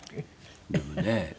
でもね